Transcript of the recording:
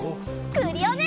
クリオネ！